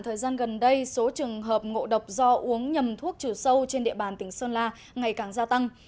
thời gian gần đây số trường hợp ngộ độc do uống nhầm thuốc trừ sâu trên địa bàn tỉnh sơn la ngày càng gia tăng